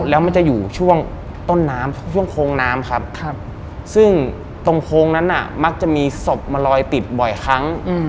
แล้วมันจะอยู่ช่วงต้นน้ำช่วงโค้งน้ำครับซึ่งตรงโค้งนั้นมักจะมีศพมาลอยติดบ่อยครั้ง